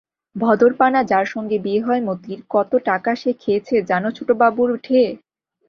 ভদরপানা যার সঙ্গে বিয়ে হয় মতির, কত টাকা সে খেয়েছে জানো ছোটবাবুর ঠেয়ে?